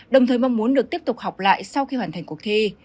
đồng thời mong muốn được tiếp tục học lại sau khi hoàn thành cuộc thi